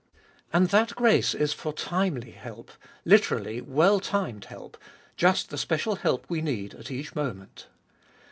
And that grace is for timely help, lit. "well timed help," just the special help we need at each moment.